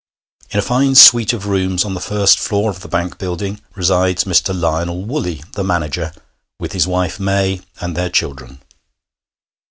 In a fine suite of rooms on the first floor of the bank building resides Mr. Lionel Woolley, the manager, with his wife May and their children.